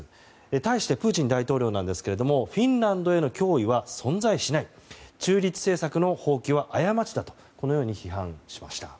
対してプーチン大統領ですけどフィンランドへの脅威は存在しない中立政策の放棄は過ちだとこのように批判しました。